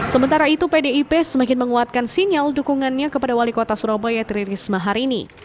sementara itu pdip semakin menguatkan sinyal dukungannya kepada wali kota surabaya tri risma hari ini